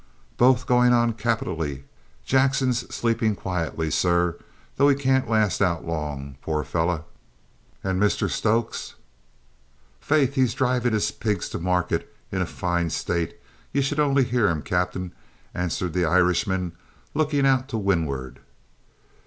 "Both going on capitally; Jackson sleeping quietly, sir, though he can't last out long, poor fellow!" "And Mr Stokes?" "Faith, he's drivin' his pigs to market in foine stoil; you should only hear him, cap'en!" answered the Irishman, looking out to windward.